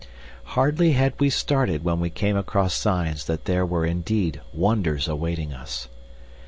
Hardly had we started when we came across signs that there were indeed wonders awaiting us.